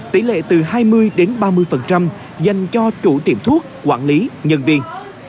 tỷ lệ từ hai mươi đến ba mươi dành cho chủ tiệm thuốc quản lý nhân viên